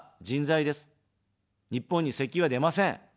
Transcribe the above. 日本に石油は出ません。